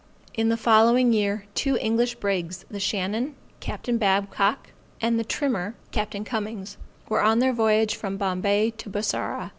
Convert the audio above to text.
In the following year, two English brigs, the Shannon, Capt. Babcock, and the Trimmer, Capt. Cummings, were on their voyage from Bombay to Bussorah.